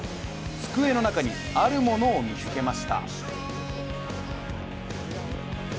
机の中に、あるものを見つけました。